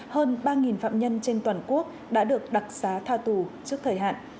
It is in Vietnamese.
hơn ba phạm nhân trên toàn quốc đã được đặc xá tha tù trước thời hạn